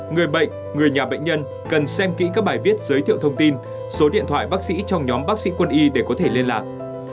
người bệnh người nhà bệnh nhân cần xem kỹ các bài viết giới thiệu thông tin số điện thoại bác sĩ trong nhóm bác sĩ quân y để có thể liên lạc